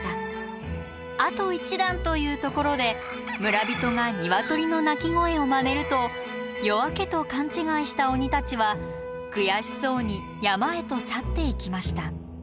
あと１段というところで村人が鶏の鳴き声をまねると夜明けと勘違いした鬼たちは悔しそうに山へと去っていきました。